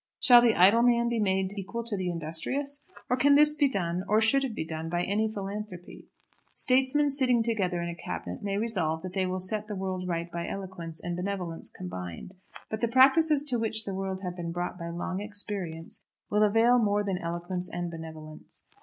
Shall the idle man be made equal to the industrious, or can this be done, or should it be done, by any philanthropy? Statesmen sitting together in a cabinet may resolve that they will set the world right by eloquence and benevolence combined; but the practices to which the world have been brought by long experience will avail more than eloquence and benevolence.